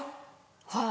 はい。